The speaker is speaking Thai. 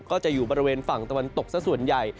ก็จะอยู่บริเวณฝั่งตะวันตกซะส่วนใหญ่